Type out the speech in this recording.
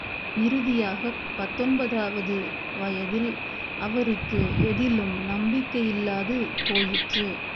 இறுதியாகப் பத்தொன்பதாவது வயதில், அவருக்கு எதிலும் நம்பிக்கையில்லாது போயிற்று.